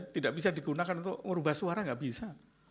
tidak bisa digunakan untuk merubah suara nggak bisa